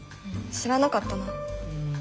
知らなかったな。